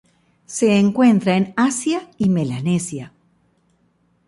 Se encuentra en Asia y Melanesia.